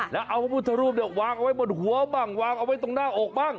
แล้วเอาพระพุทธรูปวางเอาไว้บนหัวบ้างวางเอาไว้ตรงหน้าอกบ้าง